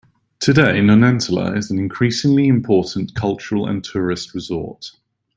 Today Nonantola is an increasingly important cultural and tourist resort.